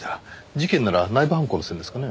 事件なら内部犯行の線ですかね？